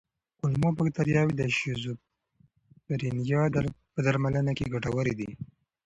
کولمو بکتریاوې د شیزوفرینیا په درملنه کې ګټورې دي.